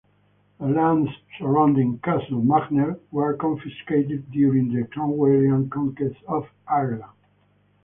The lands surrounding Castle Magner were confiscated during the Cromwellian conquest of Ireland.